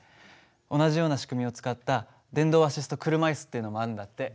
同じような仕組みを使った電動アシスト車椅子っていうのもあるんだって。